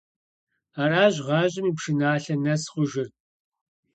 Аращ гъащӀэм и пшыналъэ нэс хъужыр.